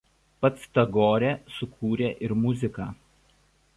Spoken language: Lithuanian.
Pats Tagorė sukūrė ir muziką.